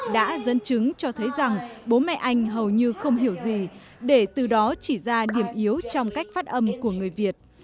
đã dẫn chứng cho thấy rằng bố mẹ anh hầu như không hiểu gì để từ đó chỉ ra điểm yếu trong cách phát âm của người việt